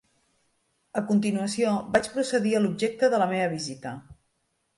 A continuació, vaig procedir a l'objecte de la meva visita.